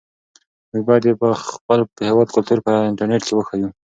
موږ باید د خپل هېواد کلتور په انټرنيټ کې وښیو.